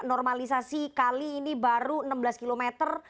normalisasi kali ini baru enam belas kilometer